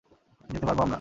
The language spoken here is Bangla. যেতে পারব আমরা।